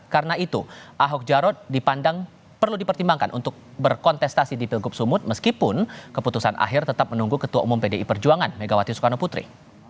karena itu ahok jarod dipandang perlu dipertimbangkan untuk berkontestasi di pilkub sumut meskipun keputusan akhir tetap menunggu ketua umum pdi perjuangan megawati sukarno putri